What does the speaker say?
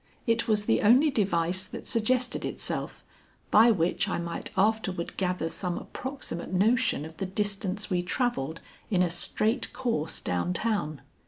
It was the only device that suggested itself, by which I might afterward gather some approximate notion of the distance we travelled in a straight course down town.